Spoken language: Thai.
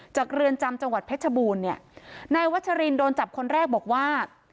เรือนจำจังหวัดเพชรบูรณ์เนี่ยนายวัชรินโดนจับคนแรกบอกว่า